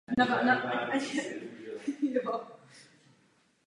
Canterbury je zastoupeno v parlamentu jedním poslancem.